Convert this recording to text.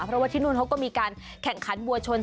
เพราะว่าที่นู่นเขาก็มีการแข่งขันวัวชน